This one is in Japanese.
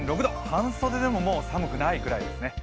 半袖でももう寒くないくらいですね。